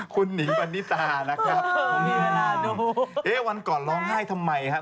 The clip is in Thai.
คุณหนิงปณิตานะครับเอ๊ะวันก่อนร้องไห้ทำไมครับ